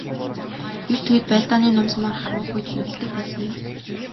Эрт үед байлдааны нум сумаар харвах үед хэрэглэдэг байсан юм.